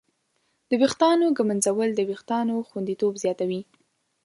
د ویښتانو ږمنځول د وېښتانو خوندیتوب زیاتوي.